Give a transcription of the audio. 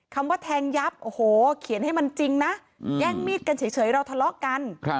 คำว่าแทงยับโอ้โหเขียนให้มันจริงนะแย่งมีดกันเฉยเราทะเลาะกัน